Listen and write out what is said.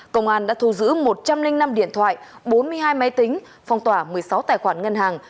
công an đã thu giữ một trăm linh năm điện thoại bốn mươi hai máy tính phong tỏa một mươi sáu tài khoản ngân hàng